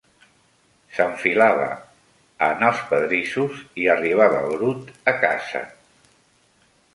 S'enfilava a en els pedrissos, i arribava brut a casa